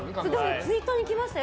ツイッターにきましたよ。